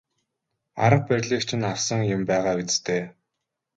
Арга барилыг чинь авсан юм байгаа биз дээ.